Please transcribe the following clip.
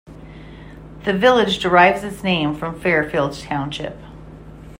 The village derives its name from Fairfield Township.